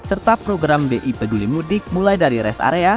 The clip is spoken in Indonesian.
serta program bi peduli mudik mulai dari rest area